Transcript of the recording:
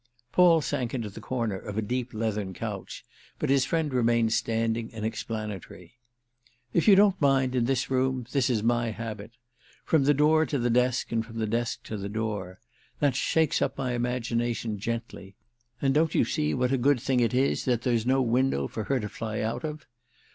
Paul sank into the corner of a deep leathern couch, but his friend remained standing and explanatory. "If you don't mind, in this room, this is my habit. From the door to the desk and from the desk to the door. That shakes up my imagination gently; and don't you see what a good thing it is that there's no window for her to fly out of?